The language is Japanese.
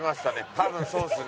多分そうですね。